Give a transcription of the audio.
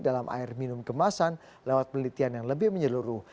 dalam air minum kemasan lewat penelitian yang lebih menyeluruh